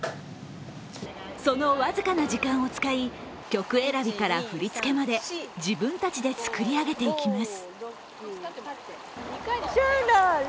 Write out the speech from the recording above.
その僅かな時間を使い、曲選びから振り付けまで自分たちで作り上げていきます。